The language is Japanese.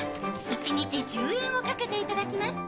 一日１０円をかけていただきます。